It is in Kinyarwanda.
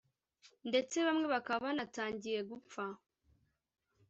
ndetse bamwe bakaba banatangiye gupfa